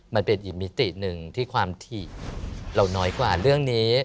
มันเป็นอีกมิติหนึ่งที่ความถี่เราน้อยกว่าเรื่องนี้